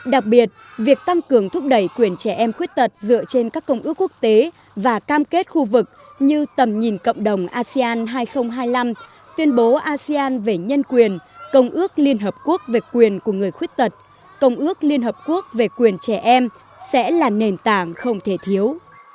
đặc biệt việc tăng cường thúc đẩy quyền trẻ em khuyết tật dựa trên các công ước quốc tế và cam kết khu vực như tầm nhìn cộng đồng asean hai nghìn hai mươi năm tuyên bố asean về nhân quyền công ước liên hợp quốc về quyền của người khuyết tật công ước liên hợp quốc về quyền trẻ em sẽ là nền tảng không thể thiếu